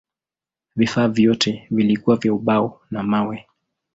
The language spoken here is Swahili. Vifaa vyote vilikuwa vya ubao na mawe.